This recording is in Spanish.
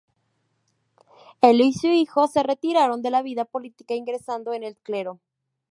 Él y su hijo se retiraron de la vida política, ingresando en el clero.